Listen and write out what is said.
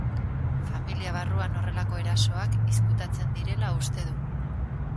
Familia barruan horrelako erasoak izkutatzen direla uste du.